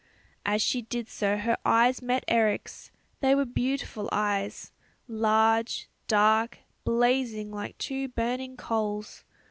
As she did so her eyes met Eric's they were beautiful eyes large, dark, blazing like two burning coals.